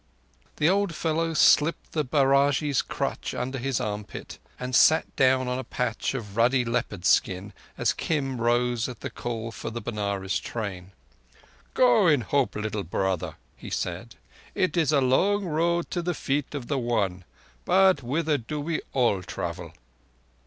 The old fellow slipped the bairagi's crutch under his armpit and sat down on a patch of ruddy leopard's skin as Kim rose at the call for the Benares train. "Go in hope, little brother," he said. "It is a long road to the feet of the One; but thither do we all travel."